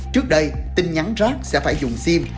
trước đây tin nhắn rác sẽ phải dùng sim